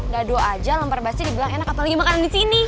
dado aja lempar basi dibilang enak apalagi makanan disini